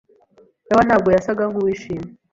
Nowa ntabwo yasaga nkuwishimye.